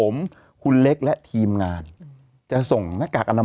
เมื่อนี้แบบนี้เสร็จปุ๊บเนี่ยก็โดดละ